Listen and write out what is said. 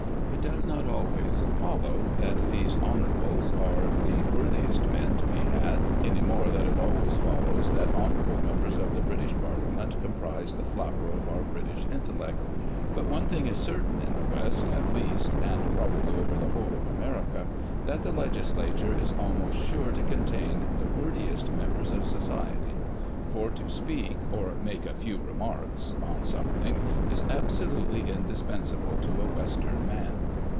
It does not always follow that these honourables are the worthiest men to be had, any more than it always follows that honourable members of the British parliament comprise the flower of our British intellect ; but one thing is certain, in the West, at least, and probably over the whole of America, that the legislature is almost sure to contain the wordiest members of society ; for to speak, or " make a few re marks" on something, is absolutely indispens able to a Western man.